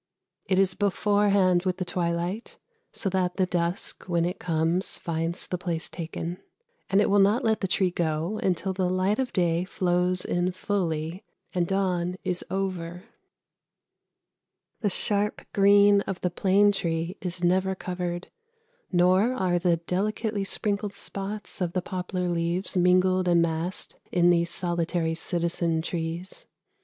It is beforehand with the twilight, so that the dusk when it comes finds the place taken, and it will not let the tree go until the light of day flows in fully, and dawn is over. [Illustration: KENSINGTON GARDENS.] The sharp green of the plane tree is never covered, nor are the delicately sprinkled spots of the poplar leaves mingled and massed, in these solitary citizen trees.